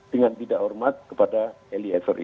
dengan tidak hormat kepada eliezer